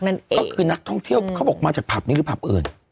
นั่นเองก็คือนักท่องเที่ยวเขาบอกมาจากผับนี้หรือผับอื่น